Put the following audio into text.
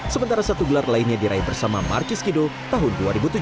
sementara satu gelar lainnya diraih bersama markis kido tahun dua ribu tujuh belas